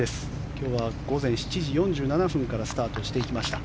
今日は午前７時４７分からスタートしていきました。